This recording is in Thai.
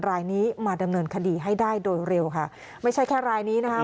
รายนี้มาดำเนินคดีให้ได้โดยเร็วค่ะไม่ใช่แค่รายนี้นะคะ